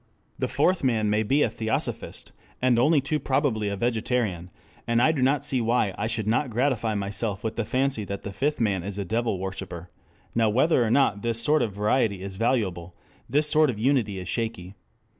The fourth man may be a theosophist, and only too probably a vegetarian; and I do not see why I should not gratify myself with the fancy that the fifth man is a devil worshiper.... Now whether or not this sort of variety is valuable, this sort of unity is shaky.